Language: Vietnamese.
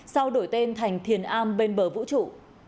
sau đổi tên thành thiền a bên bờ vũ trụ